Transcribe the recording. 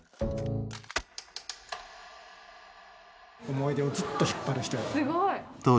思い出をずっと引っ張る人やから。